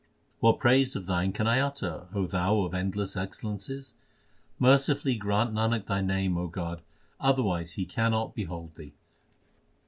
What praise of Thine can I utter, O Thou of endless excellences ? Mercifully grant Nanak Thy name, O God, otherwise he cannot behold Thee.